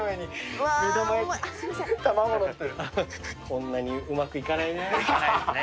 こんなにうまくいかないね。